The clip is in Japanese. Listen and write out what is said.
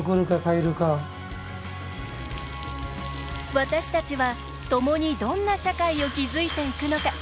私たちは、ともにどんな社会を築いていくのか。